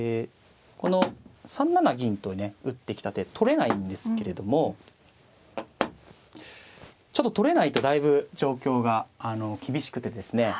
この３七銀とね打ってきた手取れないんですけれどもちょっと取れないとだいぶ状況が厳しくてですね。